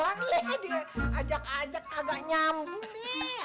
lihat dia ajak ajak